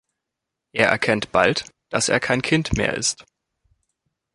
Er erkennt bald, dass er kein Kind mehr ist.